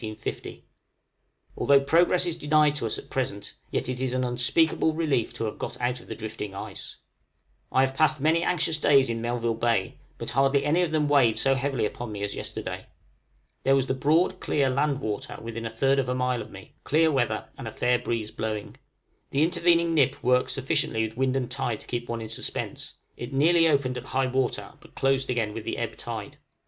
Although progress is denied to us at present, yet it is an unspeakable relief to have got out of the drifting ice. {ARCTIC PERPLEXITIES.} I have passed very many anxious days in Melville Bay, but hardly any of them weighed so heavily upon me as yesterday. There was the broad, clear land water within a third of a mile of me, clear weather, and a fair breeze blowing. The intervening nip worked sufficiently with wind and tide to keep one in suspense; it nearly opened at high water, but closed again with the ebb tide.